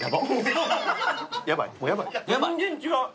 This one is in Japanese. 全然違う。